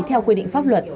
theo quy định pháp luật